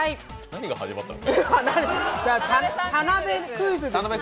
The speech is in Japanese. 何が始まったんですか？